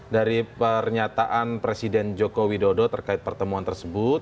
dari pernyataan presiden jokowi dodo terkait pertemuan tersebut